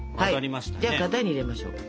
じゃあ型に入れましょう。